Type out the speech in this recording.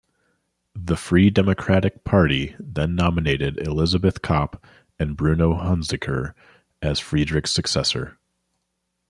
The Free Democratic Party then nominated Elisabeth Kopp and Bruno Hunziker as Friedrich's successor.